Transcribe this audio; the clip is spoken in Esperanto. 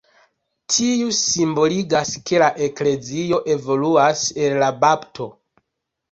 Tiu simboligas, ke la eklezio evoluas el la bapto.